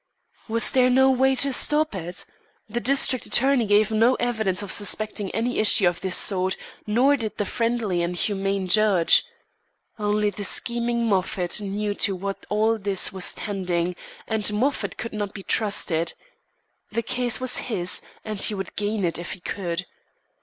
Was there no way to stop it? The district attorney gave no evidence of suspecting any issue of this sort, nor did the friendly and humane judge. Only the scheming Moffat knew to what all this was tending, and Moffat could not be trusted. The case was his and he would gain it if he could.